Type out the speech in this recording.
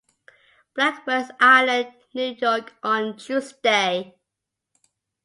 Blackwell's Island, New York, on Tuesday.